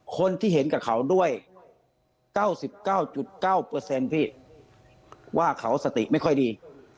คนที่เห็นกับเขาด้วย๙๙๙๙พี่ว่าเขาสติไม่ค่อยดี